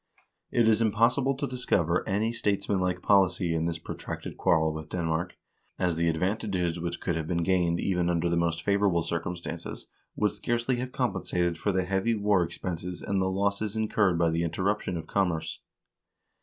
It is impossible to discover any statesmanlike policy in this pro tracted qiuirrel with Denmark, as the advantages which could have been gained even under the most favorable circumstances would scarcely have compensated for the heavy war expenses and the losses incurred by the interruption of commerce.